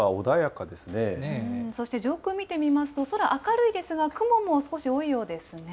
そして上空を見てみますと、空、明るいですが、雲も少し多いようですね。